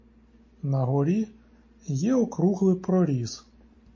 Нагорі є округлий проріз.